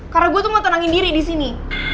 karena gue tuh mau tenangin diri disini